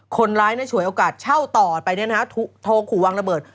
ฉวยฉวยโอกาสเช่าต่อไปโทรขู่วางระเบิด